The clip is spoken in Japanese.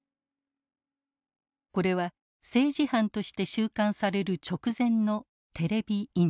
これは政治犯として収監される直前のテレビインタビュー。